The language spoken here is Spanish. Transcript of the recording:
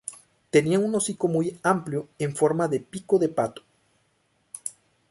Tenía un hocico muy amplio en forma de pico de pato.